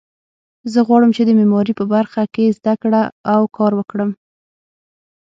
زه غواړم چې د معماري په برخه کې زده کړه او کار وکړم